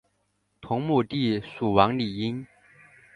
同母弟蜀王李愔。